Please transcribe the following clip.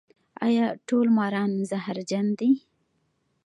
ایا ټول ماران زهرجن دي؟